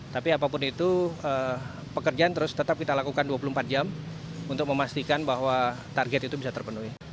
tapi apapun itu pekerjaan terus tetap kita lakukan dua puluh empat jam untuk memastikan bahwa target itu bisa terpenuhi